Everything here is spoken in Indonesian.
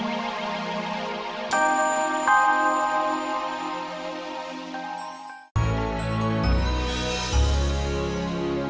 kalau papi nggak percaya